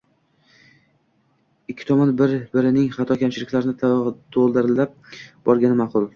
Ikki tomon bir-birining xato-kamchiliklarini to‘g‘rilab borgani ma’qul.